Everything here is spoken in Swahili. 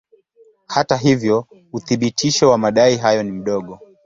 Hata hivyo uthibitisho wa madai hayo ni mdogo.